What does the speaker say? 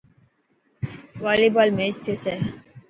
والي بال ميچ ٿيسي.